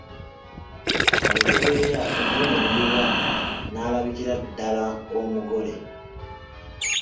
Omutwe gw’eryato guwundibwa n'alabikira ddala omugole.